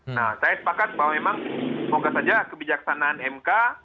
nah saya sepakat bahwa memang semoga saja kebijaksanaan mk